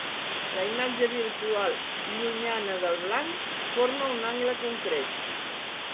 La imatge virtual llunyana del blanc, forma un angle concret.